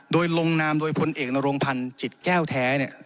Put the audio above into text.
โดยลงนามโดยพลเอกนรงพันธ์จิตแก้วแท้